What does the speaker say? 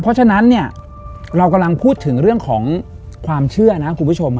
เพราะฉะนั้นเนี่ยเรากำลังพูดถึงเรื่องของความเชื่อนะคุณผู้ชม